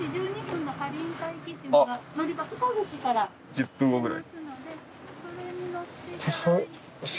１０分後くらい。